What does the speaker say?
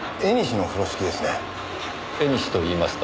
縁といいますと？